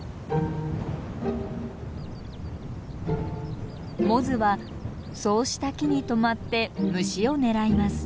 モズはそうした木にとまって虫を狙います。